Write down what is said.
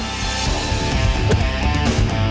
นี่ครับ